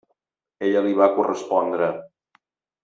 Ella li va correspondre.